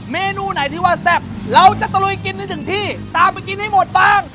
เมนูไหนที่ว่าแซ่บเราจะตะลุยกินให้ถึงที่ตามไปกินให้หมดบ้าง